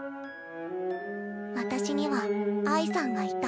私には愛さんがいた。